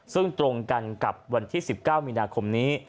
ซึ่งตรงกันกับวันที่๑๙มีนาคมนี้